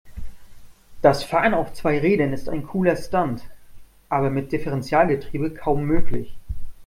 Das Fahren auf zwei Rädern ist ein cooler Stunt, aber mit Differentialgetriebe kaum möglich.